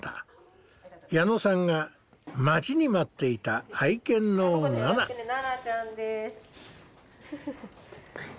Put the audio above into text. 矢野さんが待ちに待っていた愛犬のナナ。来ましたよ。